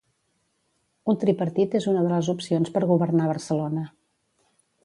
Un tripartit és una de les opcions per governar Barcelona